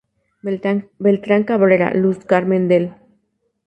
Beltrán Cabrera, Luz Carmen del.